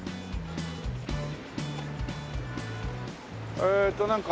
えーとなんか。